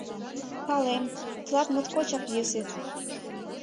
Палем, тылат моткочак йӧсӧ.